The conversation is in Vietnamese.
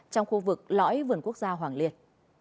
trong khu vực lõi vườn quốc gia hoàng liên